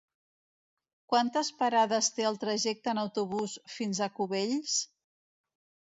Quantes parades té el trajecte en autobús fins a Cubells?